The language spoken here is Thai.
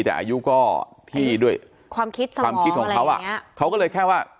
แต่อายุก็ที่ด้วยความคิดความคิดของเขาอ่ะเขาก็เลยแค่ว่า